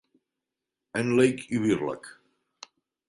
Henley i Birlec.